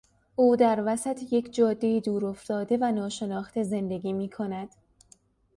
او در وسط یک جای دورافتاده و ناشناخته زندگی میکند.